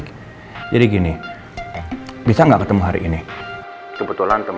udah di konsumenin udah ada klub koresitas dura rn beh